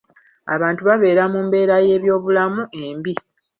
Abantu babeera mu mbeera y'ebyobulamu embi.